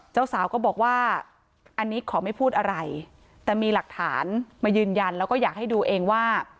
เจ้าสาวก็บอกว่าอันนี้ขอไม่พูดอะไรแต่มีหลักฐานมายืนยันแล้วก็อยากให้ดูเองว่า